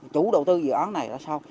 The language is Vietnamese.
chủ đầu tư dự án này là sao